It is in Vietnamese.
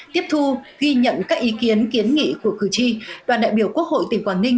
tiếp thu ghi nhận các ý kiến kiến nghị của cử tri đoàn đại biểu quốc hội tỉnh quảng ninh